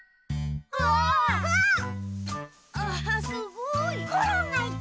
あすごい！